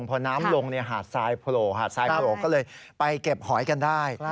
พอน้ำลงหาดทรายโผล่หาดทรายโผล่ก็เลยไปเก็บหอยกันได้